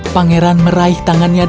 pangeran meraih tangannya